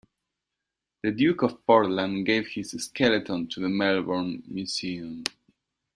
The Duke of Portland gave his skeleton to the Melbourne Museum.